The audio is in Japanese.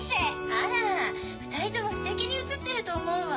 あら２人ともステキに写ってると思うわ。